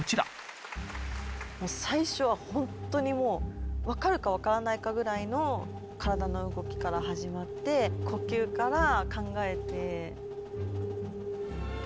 もう最初はほんとにもう分かるか分からないかぐらいの体の動きから始まって呼吸から考えて。